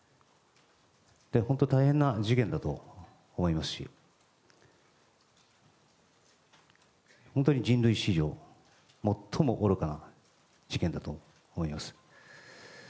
本当に大変な事件だと思いますし本当に人類史上最も愚かな事件だと思います。